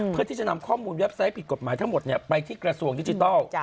เพื่อที่จะนำข้อมูลเว็บไซต์ผิดกฎหมายทั้งหมดไปที่กระทรวงดิจิทัล